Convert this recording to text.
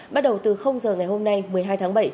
bắt đầu từ giờ ngày hôm nay một mươi hai tháng bảy